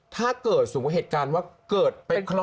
ถ้าเกิดสมมุติเหตุการณ์ว่าเกิดเป็นครั้ง